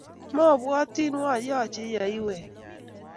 mwabwatin wochei yeiwek.